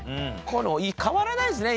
変わらないですね